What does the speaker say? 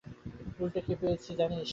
উল্টো কি পেয়েছে, জানিস?